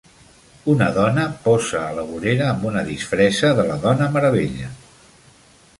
Una dona posa a la vorera amb una disfressa de la Dona Meravella.